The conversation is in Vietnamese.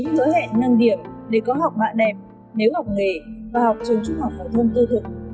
hãy nâng điểm để có học bạn đẹp nếu học nghề và học trường trung học của thân tư thuộc